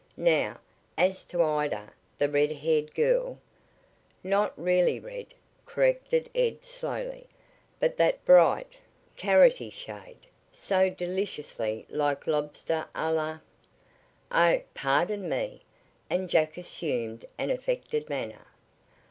Now, as to Ida, the red haired girl " "Not really red," corrected Ed slowly, "but that bright, carroty shade so deliciously like lobster a la " "Oh, pardon me," and Jack assumed an affected manner.